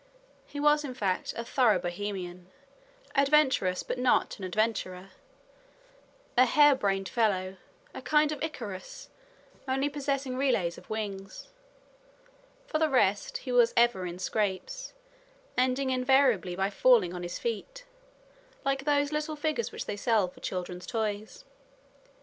He was, in fact, a thorough Bohemian, adventurous, but not an adventurer; a hare brained fellow, a kind of Icarus, only possessing relays of wings. For the rest, he was ever in scrapes, ending invariably by falling on his feet, like those little figures which they sell for children's toys.